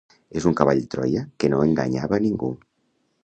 Es un cavall de Troia que no enganyava a ningú